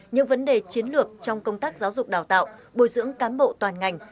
những vấn đề chiến lược trong công tác giáo dục đào tạo bồi dưỡng cán bộ toàn ngành